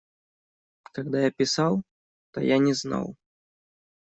Когда я писал, то я не знал.